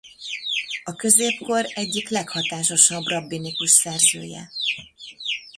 A középkor egyik leghatásosabb rabbinikus szerzője.